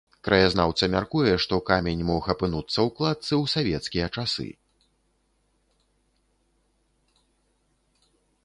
Краязнаўца мяркуе, што камень мог апынуцца ў кладцы ў савецкія часы.